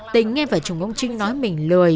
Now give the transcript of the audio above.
tình nghe vợ chồng ông trinh nói mình lười